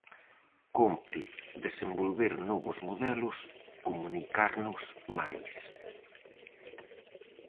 Cómpre desenvolver novos modelos, comunicarnos máis.